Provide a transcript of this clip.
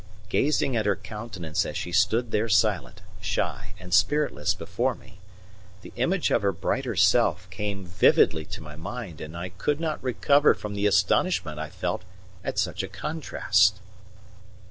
Gazing at her countenance as she stood there silent, shy, and spiritless before me, the image of her brighter self came vividly to my mind and I could not recover from the astonishment I felt at such a contrast.